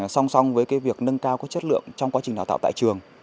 song song với cái việc nâng cao có chất lượng trong quá trình đào tạo tại trường